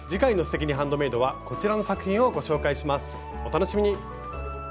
お楽しみに！